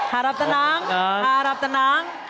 harap tenang harap tenang